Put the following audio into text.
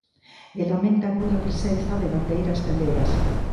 E lamenta a nula presenza de bandeiras galegas.